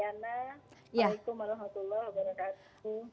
waalaikumsalam warahmatullahi wabarakatuh